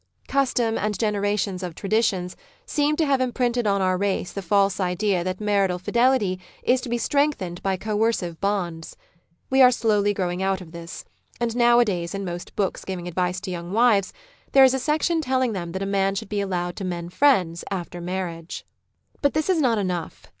Custom, and generations of traditions, seem to have imprinted on our race the false idea that marital fidelity is to be strengthened by coercive bonds. We are slowly growing out of this, and nowadays in most books giving advice to young wives there is a H 2 98 Married Love section telling them that a man should be allowed his men friends after marriage. But this is not enough.